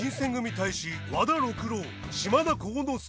隊士和田六郎島田幸之介。